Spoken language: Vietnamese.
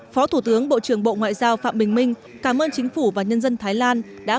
phó thủ tướng bộ trưởng bộ ngoại giao phạm bình minh cảm ơn chính phủ và nhân dân thái lan đã